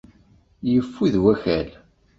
Yeffud wakal.